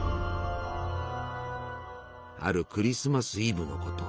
あるクリスマス・イブのこと。